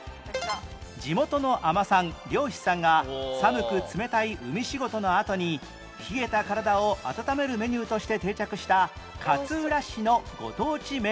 地元の海女さん漁師さんが寒く冷たい海仕事のあとに冷えた体を温めるメニューとして定着した勝浦市のご当地麺料理